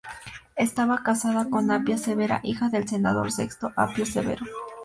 Estaba casado con Apia Severa, hija del senador Sexto Apio Severo.